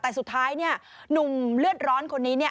แต่สุดท้ายเนี่ยหนุ่มเลือดร้อนคนนี้เนี่ย